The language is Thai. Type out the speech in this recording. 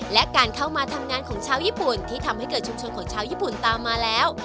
และการเข้ามาทำงานของชาวญี่ปุ่นที่ทำให้เกิดชุมชนของชาวญี่ปุ่นตามมาแล้ว